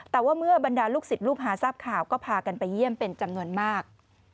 แต่ว่าเมื่อบรรดาลูกศิษย์ลูกหาทราบข่าวก็พากันไปเยี่ยมเป็นจำนวนมาก